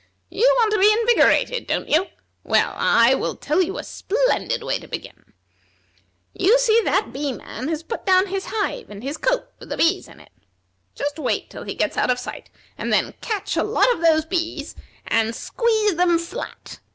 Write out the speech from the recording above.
You want to be invigorated, don't you? Well, I will tell you a splendid way to begin. You see that Bee man has put down his hive and his coat with the bees in it. Just wait till he gets out of sight, and then catch a lot of those bees, and squeeze them flat.